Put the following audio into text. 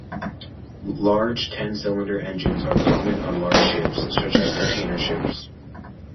Large ten-cylinder engines are common on large ships, such as container ships.